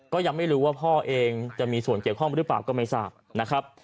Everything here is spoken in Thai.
ก็ยังไม่รู้ว่าพ่อเองจะมีส่วนเกี่ยวข้องหรือเปล่าก็ไม่ทราบนะครับ